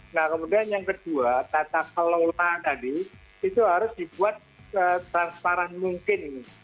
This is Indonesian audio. nah kemudian yang kedua tata kelola tadi itu harus dibuat transparan mungkin